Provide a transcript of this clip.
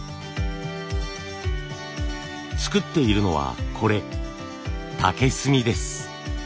作っているのはこれ竹炭です。